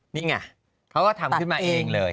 นี่ไงเขาก็ทำขึ้นมาเองเลย